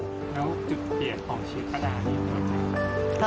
แล้วจุดเปลี่ยนของชีวิตป้าได้มีหรือเปล่า